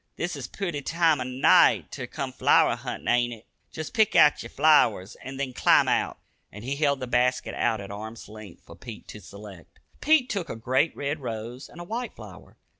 This is a pooty time o' night ter come flower huntin,' ain't it? Jest pick out yer flowers, an' then climb out!" and he held the basket out at arm's length for Pete to select. Pete took a great red rose, and a white flower.